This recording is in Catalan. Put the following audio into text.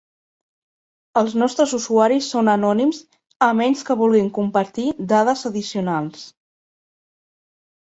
Els nostres usuaris són anònims a menys que vulguin compartir dades addicionals.